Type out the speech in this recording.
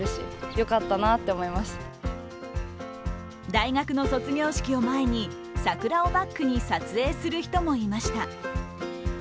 大学の卒業式を前に桜をバックに撮影する人もいました。